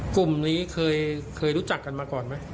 กลุ่มนี้เคยรู้จักกันมาก่อนไหม